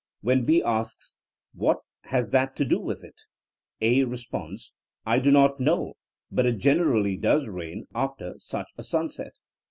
* When B asks, *What has that to do with it! * A responds, *I do not know, but it generally does rain after such a sunset.